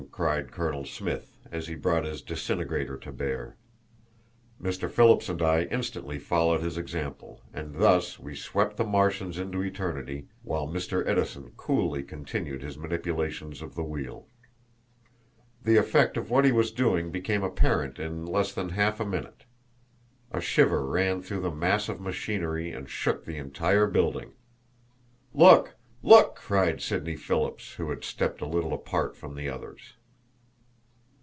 cried Colonel Smith, as he brought his disintegrator to bear. Mr. Phillips and I instantly followed his example, and thus we swept the Martians into eternity, while Mr. Edison coolly continued his manipulations of the wheel. The effect of what he was doing became apparent in less than half a minute. A shiver ran through the mass of machinery and shook the entire building. "Look! look!" cried Sidney Phillips, who had stepped a little apart from the others.